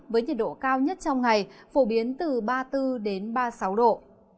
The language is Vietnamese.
với nhiệt độ cao nhất trong ngày phổ biến từ ba mươi bốn ba mươi sáu độ